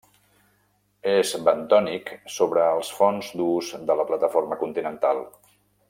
És bentònic sobre els fons durs de la plataforma continental.